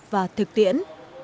và thực tiễn